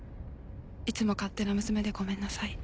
「いつも勝手な娘でごめんなさい」。